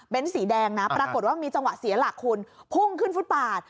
เป็นสีแดงนะปรากฏว่ามีจังหวะเสียหลักคุณพุ่งขึ้นฟุตปาด